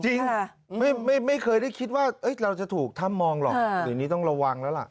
จริงไม่เคยได้คิดว่าเราจะถูกถ้ำมองหรอกเดี๋ยวนี้ต้องระวังแล้วล่ะ